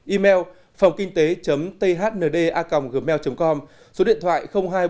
email phòngkinh tế thnda gmail com số điện thoại hai trăm bốn mươi ba hai trăm sáu mươi sáu chín nghìn năm trăm linh ba